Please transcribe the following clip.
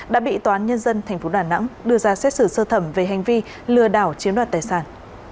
đã bị toán nhân dân tp đà nẵng đưa ra xét xử sơ thẩm về hành vi lừa đảo chiếm đoạt tài sản